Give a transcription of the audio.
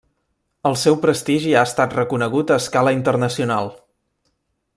El seu prestigi ha estat reconegut a escala internacional.